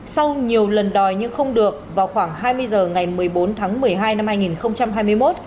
sau nhiều lần đòi nhưng không được vào khoảng hai mươi h ngày một mươi bốn tháng một mươi hai năm hai nghìn hai mươi một